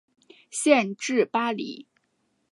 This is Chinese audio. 县治巴黎。